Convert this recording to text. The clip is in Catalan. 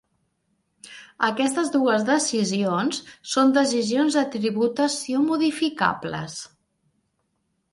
Aquestes dues decisions són decisions de tributació modificables.